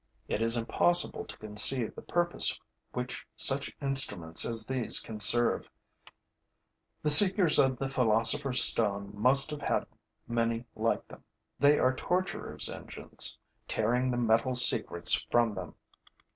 It is impossible to conceive the purpose which such instruments as these can serve. The seekers of the philosopher's stone must have had many like them. They are torturers' engines, tearing the metals' secrets from them.